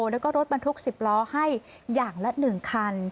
และรถบ้านทุก๑๐ล้อให้อย่างละหนึ่งคัน